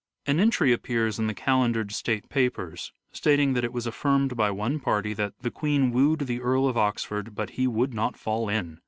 An entry appears in the Calendered State Papers stating that it was affirmed by one party that " the Queen wooed the Earl of Oxford but he would not fall in."